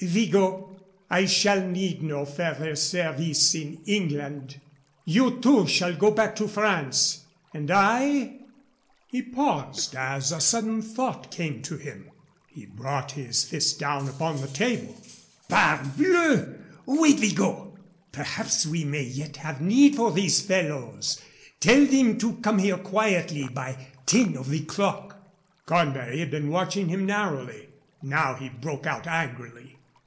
"Vigot, I shall need no further service in England. You, too, shall go back to France and I " He paused as a sudden thought came to him. He brought his fist down upon the table. "Parbleu! Wait, Vigot! Perhaps we may yet have need for these fellows. Tell them to come here quietly by ten of the clock." Cornbury had been watching him narrowly. Now he broke out angrily.